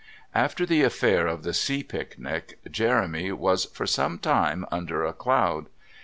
After the affair of the sea picnic, Jeremy was for some time under a cloud.